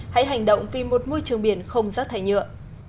hãy hành động vì một môi trường biển không rác thải nhựa